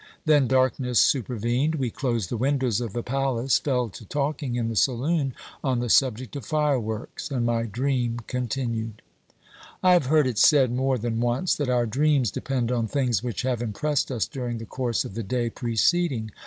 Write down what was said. Then darkness super vened ; we closed the windows of the palace, fell to talking in the saloon on the subject of fireworks, and my dream continued. I have heard it said more than once that our dreams depend on things which have impressed us during the course of the day preceding.